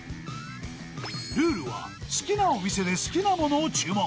［ルールは好きなお店で好きなものを注文］